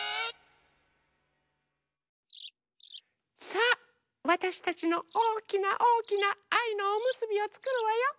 さあわたしたちのおおきなおおきなあいのおむすびをつくるわよ。